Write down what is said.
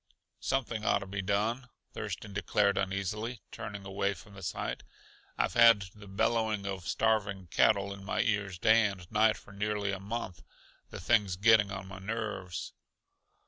"Something ought to be done," Thurston declared uneasily, turning away from the sight. "I've had the bellowing of starving cattle in my ears day and night for nearly a month. The thing's getting on my nerves."